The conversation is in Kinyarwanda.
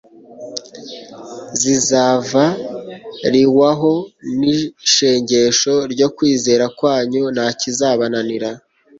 zizavariwaho n'ishengesho ryo kwizera kwanyu. « Nta kizabananira. »